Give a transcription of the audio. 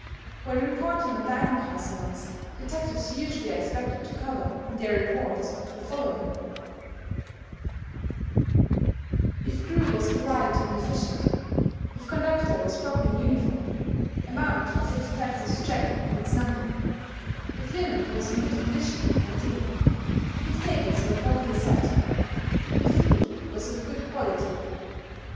When reporting on dining car service detectives usually are expected to cover in their reports the following: If crew was polite and efficient; if conductor was properly uniformed, amount of the detective's check and its number; if linen was in good condition and clean; if tables were properly set; if food was of good quality.